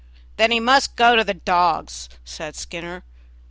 "Then he must just go to the dogs," said Skinner.